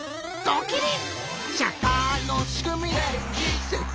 ドキリ！